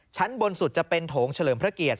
ชั้นบนสุดจะเป็นโถงเฉลิมพระเกียรติ